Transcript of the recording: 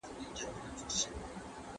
¬ ارزان بې علته نه وي، گران بې حکمته نه وي.